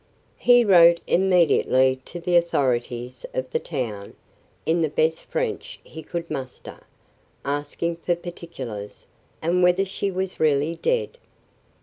He wrote immediately to the authorities of the town, in the best French he could muster, asking for particulars, and whether she was really dead.